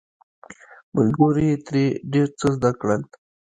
ملګرو یې ترې ډیر څه زده کړل.